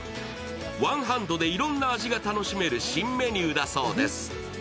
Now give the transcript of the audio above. ワンハンドでいろんな味が楽しめる新メニューだそうです。